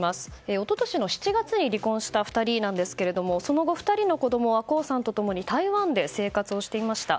一昨年の７月に離婚した２人ですがその後、２人の子供は江さんと共に台湾で生活していました。